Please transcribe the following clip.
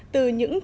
từ những trại đất